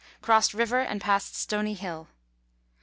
Crossed river and passed Stony Hill.